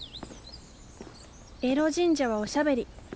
エロ神社はおしゃべり。